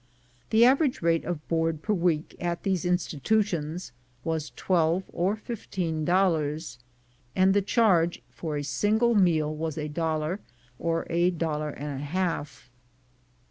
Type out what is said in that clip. The average rate of board per week at these institu tions M^as twelve or fifteen dollars, and the charge for a single meal was a dollar, or a dollar and a half.